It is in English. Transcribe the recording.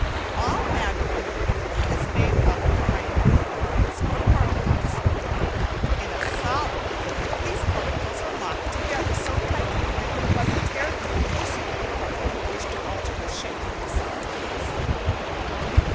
All matter in the world is made up of minute parts or particles; in a solid these particles are locked together so tightly that you must tear them forcibly apart if you with to alter the shape of the solid piece.